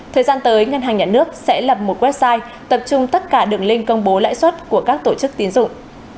thời gian tới ngân hàng nhà nước sẽ lập một website tập trung tất cả đường link công bố lãi suất của các tổ chức tiến dụng